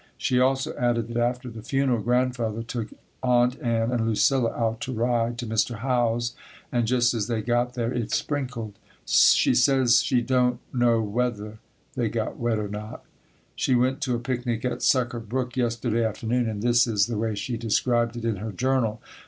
She also added that after the funeral Grandfather took Aunt Ann and Lucilla out to ride to Mr. Howe's and just as they got there it sprinkled. She says she don't know "weather" they got wet or not. She went to a picnic at Sucker Brook yesterday afternoon, and this is the way she described it in her journal.